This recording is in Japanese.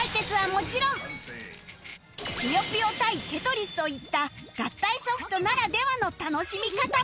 もちろん『ぷよぷよ』対『テトリス』といった合体ソフトならではの楽しみ方も